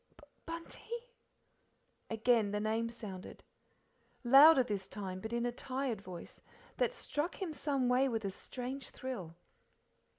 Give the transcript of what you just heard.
"Bunty." Again the name sounded. Louder this time, but in a tired voice, that struck him some way with a strange thrill.